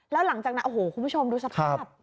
แล้วหลังจากนั้นโอ้โหคุณผู้ชมดูสภาพ